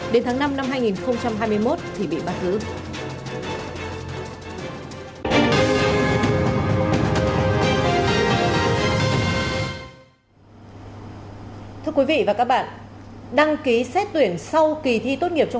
đến tháng năm năm hai nghìn hai mươi một thì bị bắt giữ